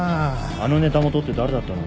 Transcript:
あのネタ元って誰だったの？